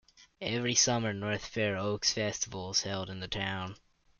Every summer, North Fair Oaks Festival is held in the town.